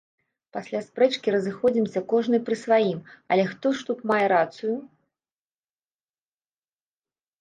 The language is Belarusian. Пасля спрэчкі разыходзімся кожны пры сваім, але хто ж тут мае рацыю?